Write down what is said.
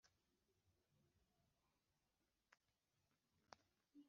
Ababajijwe mu bushakashatsi hakurikijwe amafaranga binjiza ku kwezi